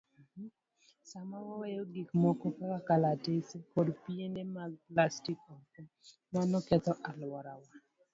Sama waweyo gik moko kaka kalatese kod piende mag plastik oko, mano ketho alworawa.